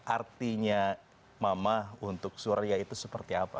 artinya mama untuk surya itu seperti apa